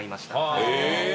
へえ。